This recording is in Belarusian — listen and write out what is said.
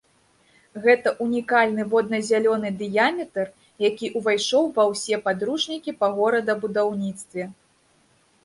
Гэта ўнікальны водна-зялёны дыяметр, які ўвайшоў ва ўсе падручнікі па горадабудаўніцтве.